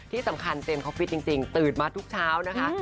ที่สำคัญเจมส์เขาฟิตจริงตื่นมาทุกเช้านะคะ